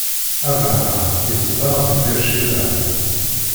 Abṛaham izdeɣ di Bir Cibaɛ.